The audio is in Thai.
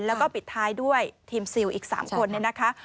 แล้วก็ปิดท้ายด้วยทีมซิลอีก๓คนเนี่ยนะคะ